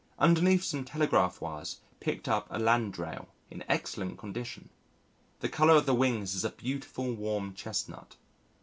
Underneath some telegraph wires, picked up a Landrail in excellent condition. The colour of the wings is a beautiful warm chestnut.